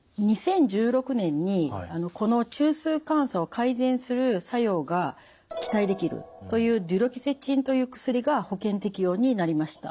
２０１６年にこの中枢感作を改善する作用が期待できるというデュロキセチンという薬が保険適用になりました。